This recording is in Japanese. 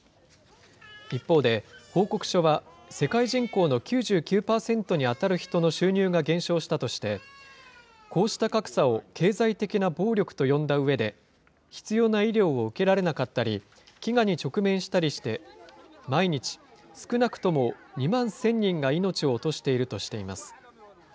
一方で、報告書は世界人口の９９％に当たる人の収入が減少したとして、こうした格差を、経済的な暴力と呼んだうえで、必要な医療を受けられなかったり、飢餓に直面したりして、毎日少なくとも２万１０００人が命を落としているとしています。